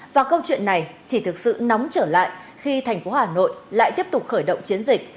và câu chuyện này chỉ thực sự nóng trở lại khi thành phố hà nội lại tiếp tục khởi động chiến dịch